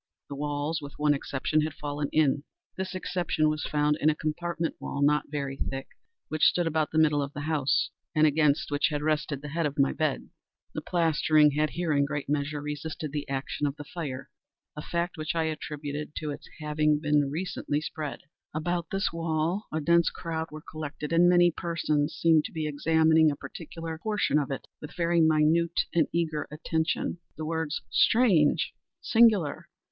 The walls, with one exception, had fallen in. This exception was found in a compartment wall, not very thick, which stood about the middle of the house, and against which had rested the head of my bed. The plastering had here, in great measure, resisted the action of the fire—a fact which I attributed to its having been recently spread. About this wall a dense crowd were collected, and many persons seemed to be examining a particular portion of it with very minute and eager attention. The words "strange!" "singular!"